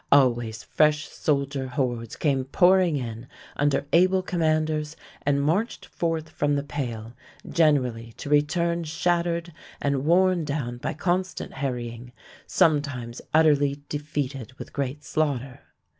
Always fresh soldier hordes came pouring in under able commanders and marched forth from the Pale, generally to return shattered and worn down by constant harrying, sometimes utterly defeated with great slaughter.